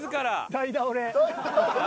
代打俺。